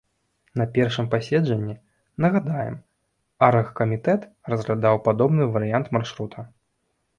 На першым паседжанні, нагадаем, аргкамітэт разглядаў падобны варыянт маршрута.